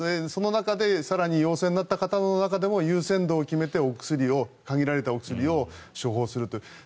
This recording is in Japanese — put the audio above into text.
その中で更に陽性になった方の中でも優先度を決めて限られたお薬を処方するという。